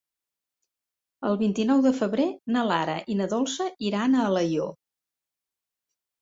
El vint-i-nou de febrer na Lara i na Dolça iran a Alaior.